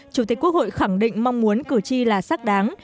chủ tịch quốc hội khẳng định mong muốn cử tri là xác đáng